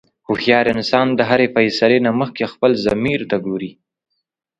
هوښیار انسان د هرې فیصلې نه مخکې خپل ضمیر ته ګوري.